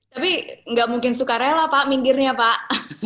tapi nggak mungkin suka rela pak minggirnya pak